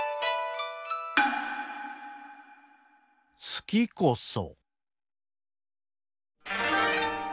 「好きこそ」。